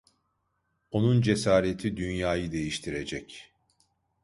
Onun cesareti dünyayı değiştirecek.